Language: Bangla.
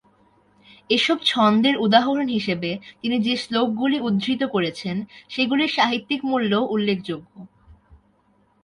এসব ছন্দের উদাহরণ হিসেবে তিনি যে শ্লোকগুলি উদ্ধৃত করেছেন, সেগুলির সাহিত্যিক মূল্যও উল্লেখযোগ্য।